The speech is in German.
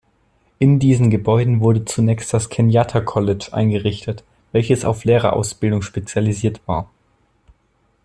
In diesen Gebäuden wurde zunächst das "Kenyatta College" eingerichtet, welches auf Lehrerausbildung spezialisiert war.